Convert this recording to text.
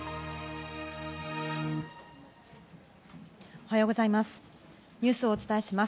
おはようございます。